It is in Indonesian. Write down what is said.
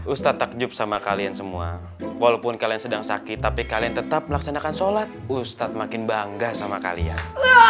ustadz takjub sama kalian semua walaupun kalian sedang sakit tapi kalian tetap melaksanakan sholat ustadz makin bangga sama kalian